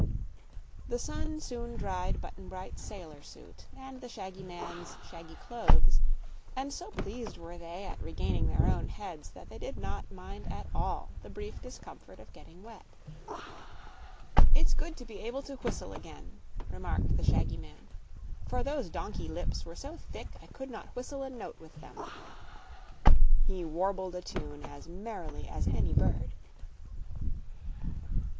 The sun soon dried Button Bright's sailor suit and the shaggy man's shaggy clothes, and so pleased were they at regaining their own heads that they did not mind at all the brief discomfort of getting wet. "It's good to be able to whistle again," remarked the shaggy man, "for those donkey lips were so thick I could not whistle a note with them." He warbled a tune as merrily as any bird.